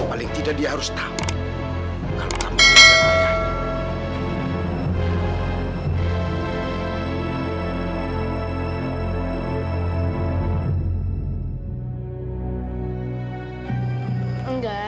paling tidak dia harus tahu kalau kamu tidak ada ayahnya